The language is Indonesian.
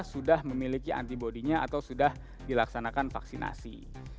sudah memiliki antibody nya atau sudah dilaksanakan vaksinasi